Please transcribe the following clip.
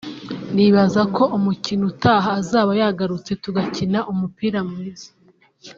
nibaza ko umukino utaha azaba yagarutse tugakina umupira mwiza